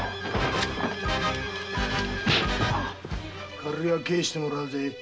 借りは返してもらうぜ。